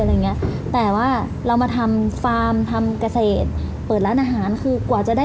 อะไรอย่างเงี้ยแต่ว่าเรามาทำฟาร์มทำเกษตรเปิดร้านอาหารคือกว่าจะได้